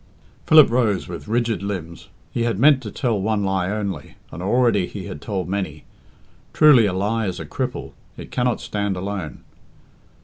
Philip rose with rigid limbs. He had meant to tell one lie only, and already he had told many. Truly "a lie is a cripple;" it cannot stand alone.